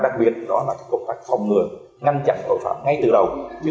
đặc biệt đó là công tác phòng ngừa ngăn chặn tội phạm ngay từ đầu